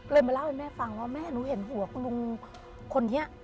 มาเล่าให้แม่ฟังว่าแม่หนูเห็นหัวคุณลุงคนนี้